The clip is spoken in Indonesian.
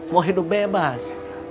mau hidup bebas